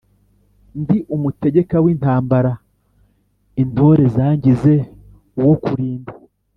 Ndi umutegeka w’intambara intore zangize uwo kulinda.